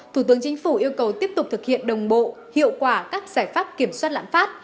thủ tướng chính phủ yêu cầu tiếp tục thực hiện đồng bộ hiệu quả các giải pháp kiểm soát lãm phát